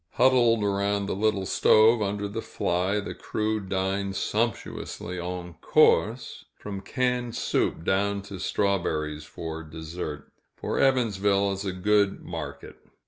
Huddled around the little stove, under the fly, the crew dined sumptuously en course, from canned soup down to strawberries for dessert, for Evansville is a good market.